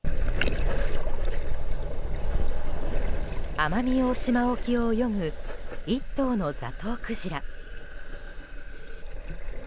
奄美大島沖を泳ぐ１頭のザトウクジラ。